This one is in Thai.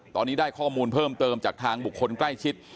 ตอนนี้ได้ข้อมูลเพิ่มเติมจากทางบุคคลใกล้ชิด